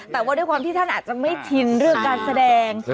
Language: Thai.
แต่ว่าด้วยความที่ท่านอาจจะไม่ชินเรื่องการแสดง